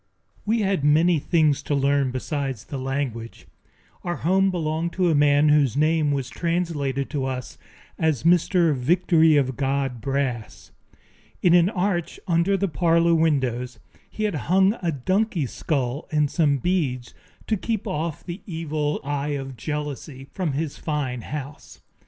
We had many things to learn besides the language. Our home belonged to a man whose name was translated to us as Mr. Victory of God Brass. In an arch under the parlor windows he had hung a donkey's skull and some beads, to keep off the evil eye of jealousy from his fine house.